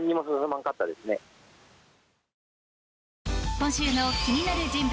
今週の気になる人物